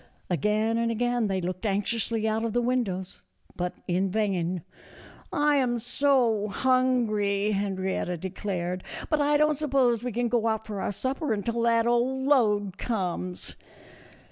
Again and again they looked anxiously out of the windows, but in vain. " I am so hungry," Henrietta declared ;" but I don't suppose we can go out for our supper until that old load comes."